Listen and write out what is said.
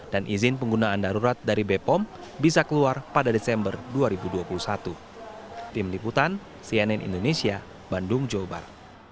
dan izin penggunaan darurat dari bepom bisa keluar pada desember dua ribu dua puluh satu